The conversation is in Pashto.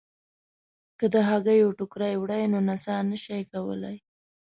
که د هګیو ټوکرۍ وړئ نو نڅا نه شئ کولای.